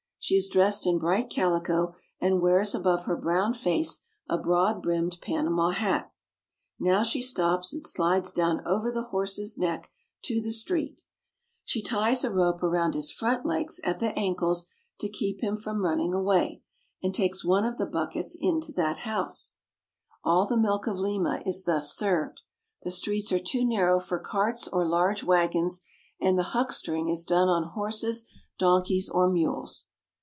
She is dressed in bright calico and wears above her brown face a broad brimmed Panama hat. Now she stops and slides down over the horse's neck to the street. She ties a rope around his front legs at the ankles to keep him from run ning away, and takes one of the buckets into that house. That is a milkwoman." 66 PERU. All the milk of Lima is thus served. The streets are too narrow for carts or large wagons, and the huckstering is done on horses, donkeys, or mules.